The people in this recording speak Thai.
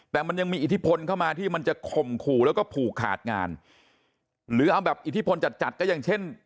แต่มันยังมีอิทธิพลเข้ามาที่มันจะข่มขู่แล้วก็ผูกขาดงานหรือเอาแบบอิทธิพลจัดจัดก็อย่างเช่น